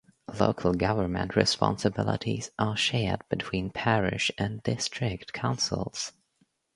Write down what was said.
Local government responsibilities are shared between parish and district councils.